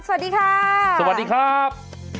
สวัสดีค่ะสวัสดีครับ